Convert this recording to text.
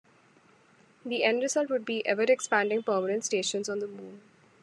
The end result would be ever-expanding permanent stations on the Moon.